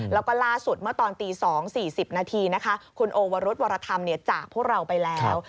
แล้วก็ล่าสุดเมื่อตอนตี๒๔๐นาทีนะคะคุณโอวรุธวรธรรมจากพวกเราไปแล้ว